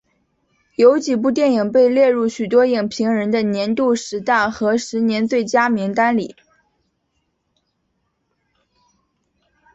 有几部电影被列入许多影评人的年度十大和十年最佳的名单里。